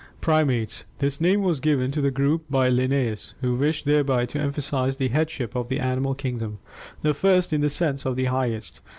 PRIMATES This name was given to the group by Linnaeus, who wished thereby to emphasize the headship of the animal kingdom, the first in the sense of the highest.